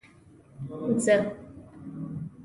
زه.